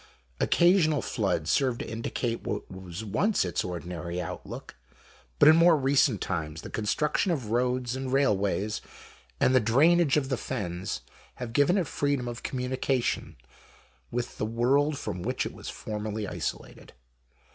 Occasional floods serve to indicate what was once its ordinary outlook, but in more recent times the construction of roads and railways, and the drainage of the Fens, have given it freedom of communication with the world from which it was formerly isolated.